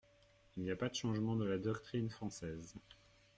Il n’y a pas de changement de la doctrine française.